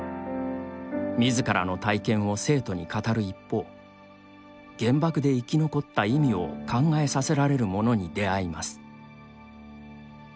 みずからの体験を生徒に語る一方原爆で生き残った意味を考えさせられるものに出会います。